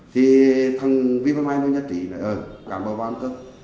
thì thằng viên máy máy nó nhắc chỉ là ừ càng vào ăn cơm